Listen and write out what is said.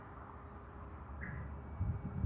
素呜尊是日本传说中出现的人物。